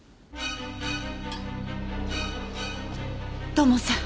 土門さん